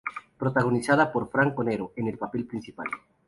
Protagonizada por Franco Nero, en el papel principal.